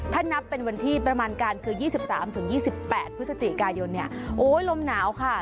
ถ้านับเป็นวันที่ประมาณการคือยี่สิบสามถึงยี่สิบแปดพฤศจิกายนเนี่ยโอ้ยลมหนาวค่ะ